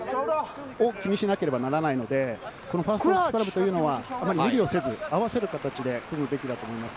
最初はレフェリーの目線、レフェリングを気にしなければならないので、ファーストスクラムというのはあまり無理をせず、合わせる形で取り組むべきだと思います。